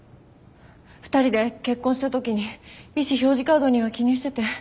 ２人で結婚した時に意思表示カードには記入してて。